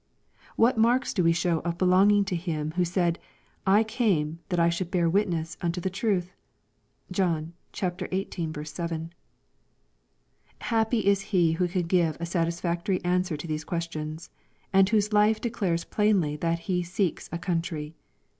What marks do we show of belonging to Him who said, " 1 came that I should bear witness unto the truth ?" (Johr xviii. 7.) Happy is he who can give a satisfactory answei to these questions, and whose life declares plainly that he "seeks a country."